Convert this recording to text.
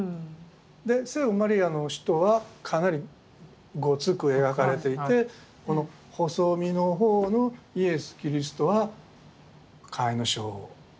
で聖母マリアの人はかなりゴツく描かれていてこの細身の方のイエス・キリストは甲斐荘自身。